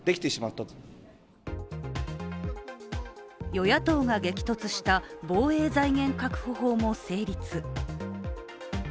与野党が激突した防衛財源確保法も成立。